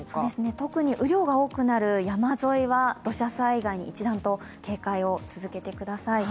特に雨量が多くなる山沿いは一段と警戒を続けてください。